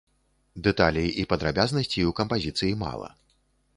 Дэталей і падрабязнасцей у кампазіцыі мала.